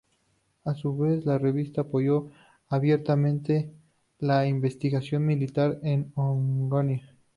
A su vez, la revista apoyo abiertamente la intervención militar de Onganía.